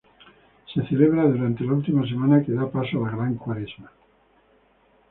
Se celebra durante la última semana que da paso a la Gran Cuaresma.